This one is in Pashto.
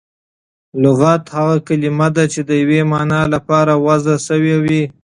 لغت هغه کلیمه ده، چي د یوې مانا له پاره وضع سوی وي.